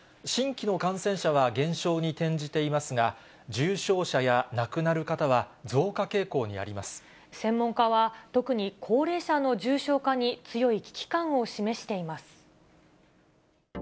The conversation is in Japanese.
新規の感染者は減少に転じていますが、重症者や亡くなる方は増加専門家は、特に高齢者の重症化に強い危機感を示しています。